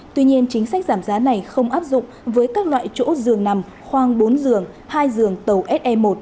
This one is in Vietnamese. tuy nhiên chính sách giảm giá này không áp dụng với các loại chỗ giường nằm khoang bốn giường hai giường tàu se một